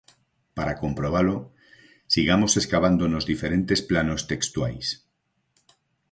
Para comprobalo, sigamos escavando nos diferentes planos textuais.